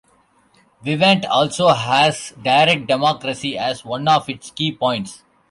Vivant also has direct democracy as one of its key points.